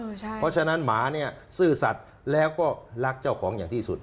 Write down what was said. เพราะฉะนั้นหมาเนี่ยซื่อสัตว์แล้วก็รักเจ้าของอย่างที่สุด